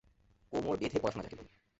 কোমর বেঁধে পড়াশোনা যাকে বলে!